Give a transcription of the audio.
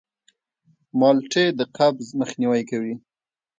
مالټې د قبض مخنیوی کوي.